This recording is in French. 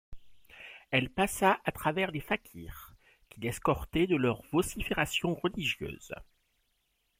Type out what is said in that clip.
Elle passa à travers les fakirs, qui l’escortaient de leurs vociférations religieuses.